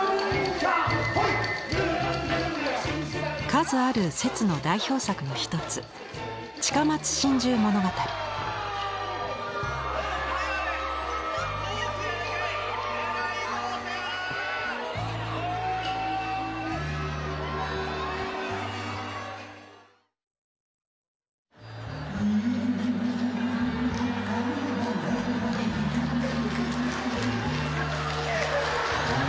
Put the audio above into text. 数ある摂の代表作の一つひゃあ！